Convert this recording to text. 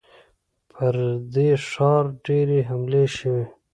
پر دې ښار ډېرې حملې شوي.